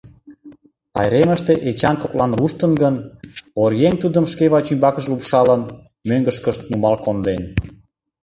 Пайремыште Эчан коклан руштын гын, оръеҥ тудым шке вачӱмбакыже лупшалын, мӧҥгышкышт нумал конден.